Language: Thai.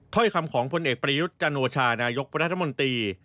ถ้อยคำของพลเอกประยุทธ์จันโอชานายกรัฐมนตรี